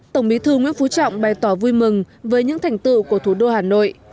tổng bí thư nguyễn phú trọng bày tỏ vui mừng với những thành tựu của thủ đô hà nội